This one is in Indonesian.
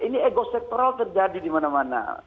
ini ego sektoral terjadi dimana mana